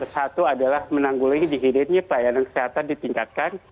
satu adalah menanggulangi dihilirnya pelayanan kesehatan ditingkatkan